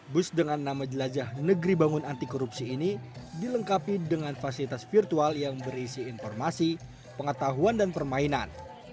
bus dengan nama jelajah negeri bangun antikorupsi ini dilengkapi dengan fasilitas virtual yang berisi informasi pengetahuan dan permainan